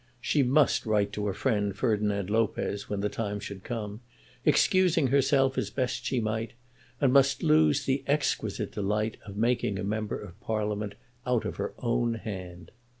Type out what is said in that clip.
She must write to her friend Ferdinand Lopez, when the time should come, excusing herself as best she might, and must lose the exquisite delight of making a Member of Parliament out of her own hand.